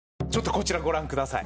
こちらご覧ください。